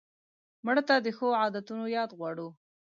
مړه ته د ښو عادتونو یاد غواړو